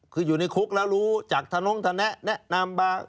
คืออยู่ในคุกแล้วรู้จากทะนงธนะแนะนำมา